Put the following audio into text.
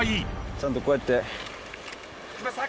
ちゃんとこうやって。